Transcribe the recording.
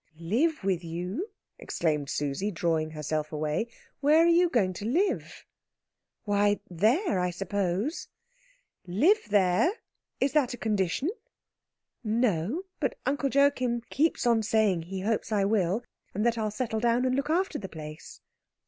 "Live with you?" exclaimed Susie, drawing herself away. "Where are you going to live?" "Why, there, I suppose." "Live there! Is that a condition?" "No, but Uncle Joachim keeps on saying he hopes I will, and that I'll settle down and look after the place."